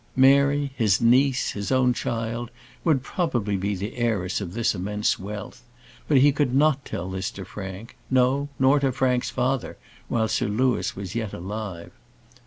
Mary, his niece, his own child, would probably be the heiress of this immense wealth; but he could not tell this to Frank; no, nor to Frank's father while Sir Louis was yet alive.